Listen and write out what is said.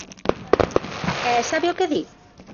E ¿sabe o que di?